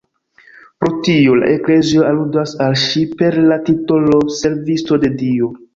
Pro tio, la Eklezio aludas al ŝi per la titolo Servisto de Dio.